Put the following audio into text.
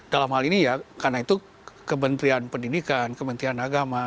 dalam hal ini ya karena itu kementerian pendidikan kementerian agama